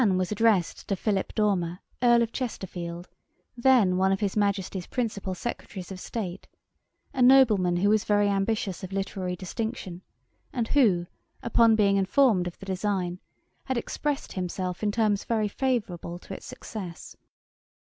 The Plan was addressed to Philip Dormer, Earl of Chesterfield, then one of his Majesty's Principal Secretaries of State; a nobleman who was very ambitious of literary distinction, and who, upon being informed of the design, had expressed himself in terms very favourable to its success.